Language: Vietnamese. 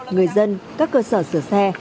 người dân các cơ sở sửa xe